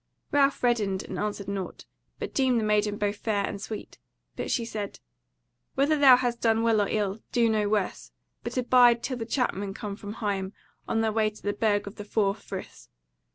Ralph reddened and answered nought; but deemed the maiden both fair and sweet. But she said: "Whether thou hast done well or ill, do no worse; but abide till the Chapmen come from Higham, on their way to the Burg of the Four Friths.